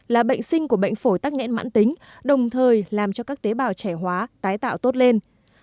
là bệnh sinh của bệnh phổi tắc nghẽn mãn tính đồng thời làm cho các tế bào trẻ hóa tái tạo tốt lên